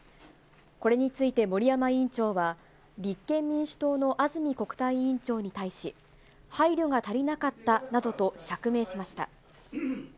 これについて森山委員長は、立憲民主党の安住国対委員長に対し、配慮が足りなかったなどと釈明しました。